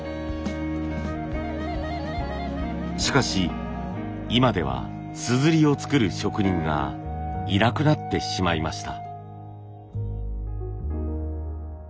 しかし今では硯を作る職人がいなくなってしまいました。